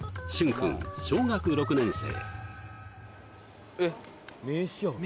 君小学６年生